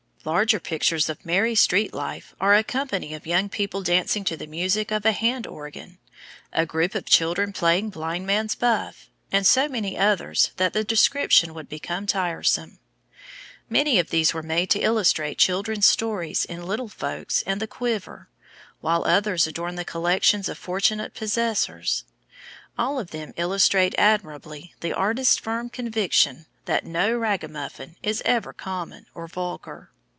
Larger pictures of merry street life are a company of young people dancing to the music of a hand organ, a group of children playing blind man's buff, and so many others that the description would become tiresome. Many of these were made to illustrate children's stories in "Little Folks" and the "Quiver," while others adorn the collections of fortunate possessors. All of them illustrate admirably the artist's firm conviction that "no ragamuffin is ever common or vulgar."